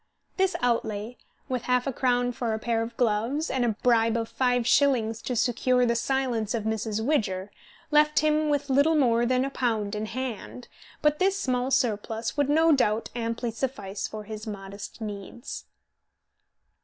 This outlay, with half a crown for a pair of gloves, and a bribe of five shillings to secure the silence of Mrs. Widger, left him with little more than a pound in hand, but this small surplus would no doubt amply suffice for his modest needs.